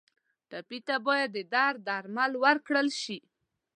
ټپي ته باید د درد درمل ورکړل شي.